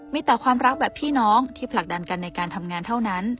มีแต่ความรักแบบพี่น้องที่ผลักดันกันในการทำงานเท่านั้น